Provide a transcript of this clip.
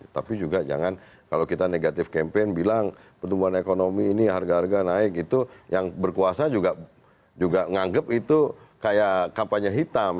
tapi juga jangan kalau kita negative campaign bilang pertumbuhan ekonomi ini harga harga naik itu yang berkuasa juga nganggep itu kayak kampanye hitam